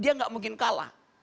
dia gak mungkin kalah